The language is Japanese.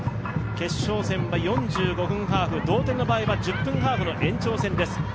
決勝戦は４５分ハーフ、同点の場合は１０分ハーフの延長戦です。